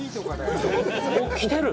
おっ、来てる！